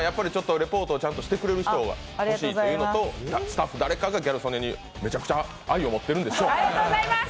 リポートをちゃんとしてくれる人がほしいということとスタッフ誰かがギャル曽根にめちゃくちゃ愛を持っているんでしょう！